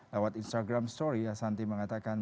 lewat instagram story ashanti mengatakan